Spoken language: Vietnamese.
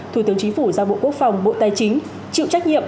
thủ tướng chính phủ giao bộ quốc phòng bộ tài chính chịu trách nhiệm